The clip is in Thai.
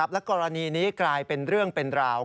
และกรณีนี้กลายเป็นเรื่องเป็นราว